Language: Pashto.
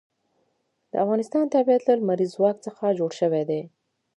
د افغانستان طبیعت له لمریز ځواک څخه جوړ شوی دی.